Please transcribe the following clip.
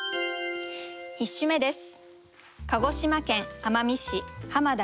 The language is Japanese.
１首目です。